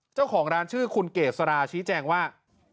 เจ้าของร้านชื่อคุณเกษราชี้แจงว่า